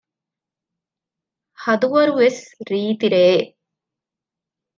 ހަދުވަރުވެސް ރީތި ރެއެއް